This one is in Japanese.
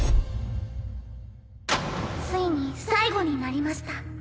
ついに最後になりました